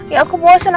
ya aku bosan mas